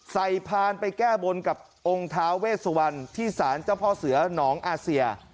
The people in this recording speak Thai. พานไปแก้บนกับองค์ท้าเวสวันที่สารเจ้าพ่อเสือหนองอาเซีย